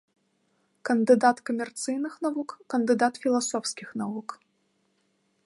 Кандыдат камерцыйных навук, кандыдат філасофскіх навук.